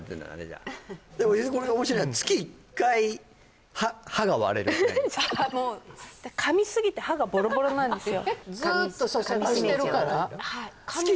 じゃあでもおもしろいな月１回歯が割れるもう噛みすぎて歯がボロボロなんですよ